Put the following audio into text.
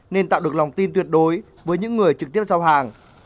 nên tạo được lòng tin tuyệt đối với những người trực tiếp giao hàng